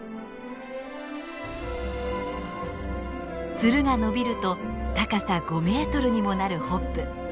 ツルが伸びると高さ５メートルにもなるホップ。